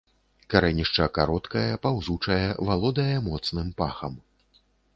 Карэнішча кароткае, паўзучае, валодае моцным пахам.